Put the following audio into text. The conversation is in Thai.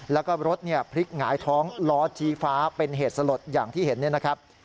แล้วก็รถพลิกหงายท้องล้อชี้ฟ้าเป็นเหตุสลดอย่างที่เห็นเนี่ยนะครับ